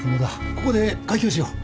ここで開胸しよう。